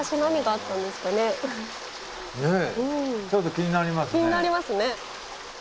気になりますね。